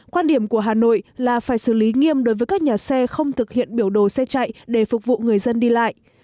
quan điểm của hà nội là phải xử lý nghiêm đối với các nhà xe không thực hiện biểu đồ xe chạy để phục vụ người dân đi lại